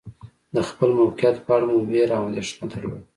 د خپل موقعیت په اړه مو وېره او اندېښنه درلوده.